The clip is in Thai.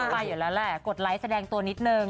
ไปอยู่แล้วแหละกดไลค์แสดงตัวนิดนึง